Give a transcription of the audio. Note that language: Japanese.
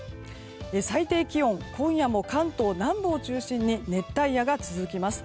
最低気温今夜も関東南部を中心に熱帯夜が続きます。